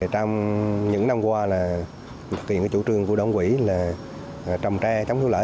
trong những năm qua chủ trương của đoạn quỷ là trồng tre chống thu lỡ